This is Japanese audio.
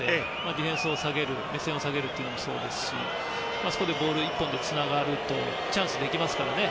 ディフェンスを下げる目線を下げるというのもそうですしそこでボール１本でつながるとチャンスができますからね。